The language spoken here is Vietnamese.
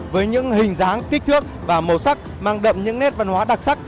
với những hình dáng kích thước và màu sắc mang đậm những nét văn hóa đặc sắc